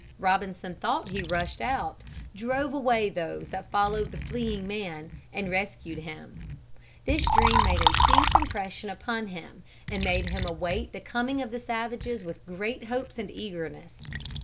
Robinson thought he rushed out, drove away those that followed the fleeing man and rescued him. This dream made a deep impression upon him and made him await the coming of the savages with great hopes and eagerness.